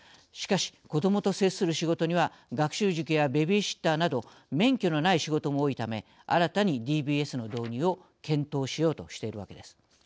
しかし子どもと接する仕事には学習塾やベビーシッターなど免許のない仕事も多いため新たにＤＢＳの導入を検討しようとしているわけです。